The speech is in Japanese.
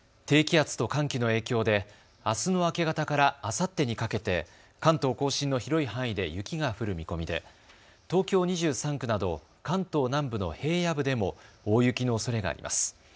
低気圧と寒気の影響であすの明け方からあさってにかけて関東甲信の広い範囲で雪が降る見込みで東京２３区など関東南部の平野部でも大雪のおそれがあります。